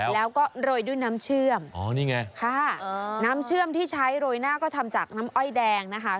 แล้วก็โรยด้วยน้ำเชื่อมอ๋อนี่ไงค่ะน้ำเชื่อมที่ใช้โรยหน้าก็ทำจากน้ำอ้อยแดงนะคะ